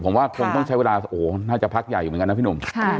ผมว่าคงต้องใช้เวลาโอ้โหน่าจะพักใหญ่อยู่เหมือนกันนะพี่หนุ่ม